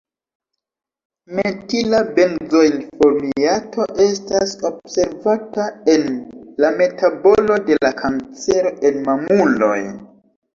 Metila benzoilformiato estas observata en la metabolo de la kancero en mamuloj.